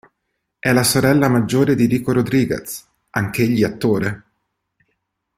È la sorella maggiore di Rico Rodriguez, anch'egli attore.